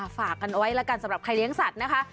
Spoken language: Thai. ฝากกันไว้แล้วกันสำหรับใครเลี้ยงสัตว์นะคะ